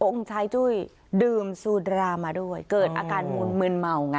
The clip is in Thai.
องค์ชายจุ้ยดื่มซูดรามาด้วยเกิดอาการมืนมืนเมาไง